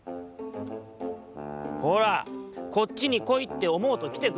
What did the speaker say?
ほらこっちにこいっておもうときてくれる。